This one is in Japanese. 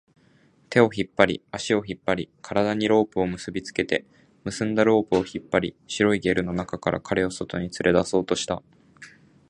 手を引っ張り、足を引っ張り、体にロープを結びつけて、結んだロープを引っ張り、白いゲルの中から彼を外に連れ出そうとした